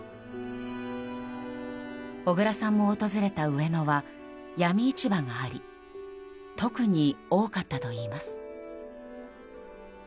小倉さんも訪れた上野はヤミ市場があり特に多かったといいます。